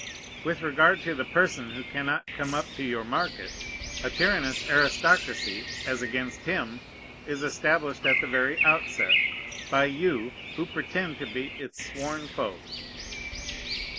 With regard to the person who cannot come up to your market, a tyrannous aristocracy, as against him, is established at the very outset, by you who pretend to be its sworn foe.